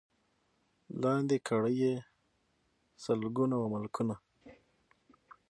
لاندي کړي یې سلګونه وه ملکونه